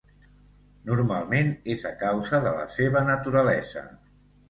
Normalment és a causa de la seva naturalesa.